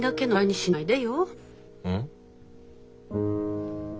うん。